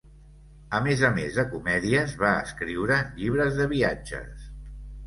A més a més de comèdies, va escriure llibres de viatges.